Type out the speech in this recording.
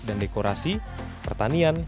dan dekorasi pertanian